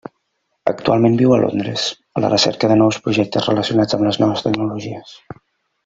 Actualment viu a Londres, a la recerca de nous projectes relacionats amb les noves tecnologies.